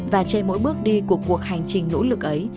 và trên mỗi bước đi của cuộc hành trình nỗ lực ấy